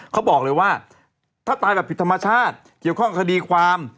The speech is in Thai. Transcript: เขาบอกเลยว่าถ้าตายแบบผิดธรรมชาติเกี่ยวข้องคดีความ